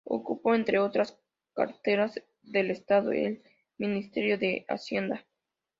Ocupó, entre otras carteras del Estado, el Ministerio de Hacienda.